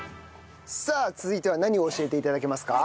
さあ続いては何を教えて頂けますか？